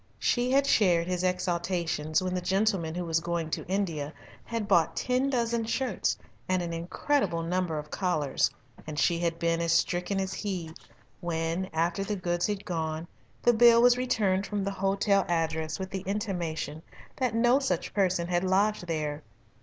She had shared his exultations when the gentleman who was going to India had bought ten dozen shirts and an incredible number of collars, and she had been as stricken as he when, after the goods had gone, the bill was returned from the hotel address with the intimation that no such person had lodged there.